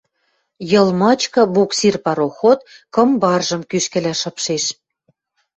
Йыл мычкы буксир пароход кым баржым кӱшкӹлӓ шыпшеш.